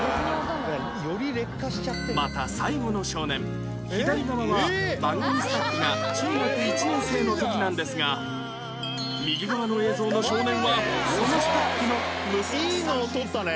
また最後の少年左側は番組スタッフが中学１年生の時なんですが右側の映像の少年はそのスタッフの息子さん